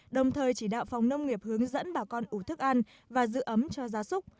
đồng thời chỉ đạo phòng nông nghiệp hướng dẫn bà con ủ thức ăn và giữ ấm cho gia súc